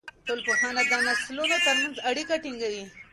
ټولنپوهنه د نسلونو ترمنځ اړیکه ټینګوي.